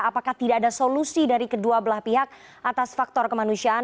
apakah tidak ada solusi dari kedua belah pihak atas faktor kemanusiaan